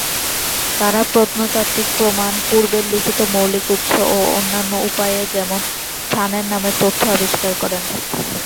তাঁরা প্রত্নতাত্ত্বিক প্রমাণ, পূর্বের লিখিত মৌলিক উৎস ও অন্যান্য উপায়ে, যেমন- স্থানের নামের তথ্য আবিষ্কার করেন।